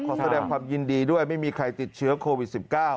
แสดงความยินดีด้วยไม่มีใครติดเชื้อโควิด๑๙